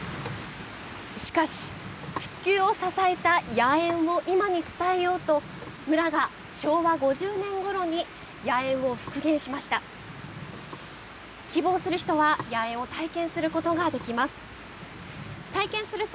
しかし、復旧を支えた野猿を今に伝えようと村が昭和５０年ごろに野猿を復元しました。